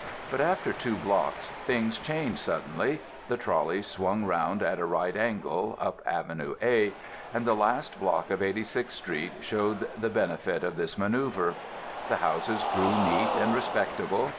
But after two blocks things changed suddenly. The trolley swung round at a right angle (up Avenue A) and the last block of 86th Street showed the benefit of this manoeuvre. The houses grew neat and respectable.